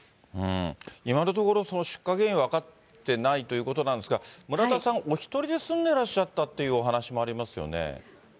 今のところ、出火原因、分かってないということなんですが、村田さん、お一人で住んでらっしゃったっていうお話もありますよね。